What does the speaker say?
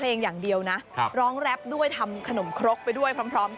เราก็พยายามจะหอบ